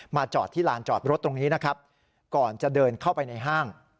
จอดที่ลานจอดรถตรงนี้นะครับก่อนจะเดินเข้าไปในห้าง